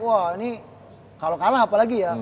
wah ini kalau kalah apalagi ya